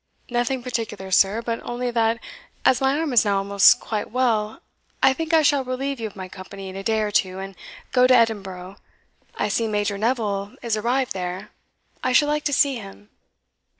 "Nothing particular, sir; but only that, as my arm is now almost quite well, I think I shall relieve you of my company in a day or two, and go to Edinburgh. I see Major Neville is arrived there. I should like to see him."